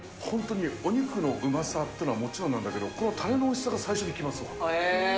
本当にお肉のうまさっていうのはもちろんなんだけど、このたれのおいしさが最初にきます。